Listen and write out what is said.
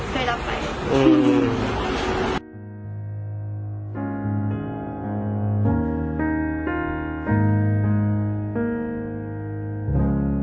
ก็เลยได้รับไปอืม